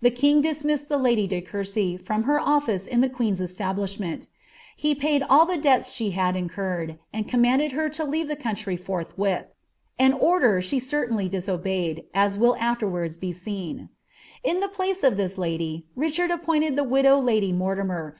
the king diamiased thn Wr ^ Courcy from her office in the queen's establishmeDt ; ba paid aH tki debts she had incuned, and commanded her to leave the CoiUlU^ (iffb with, — on Older she certainly disobeyed, as will afterwards b» ■«(& h the place of this laily, llichard appointed the widowed lady Mttrvrntt!